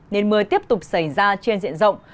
nên mưa tiếp tục xảy ra trên diện rộng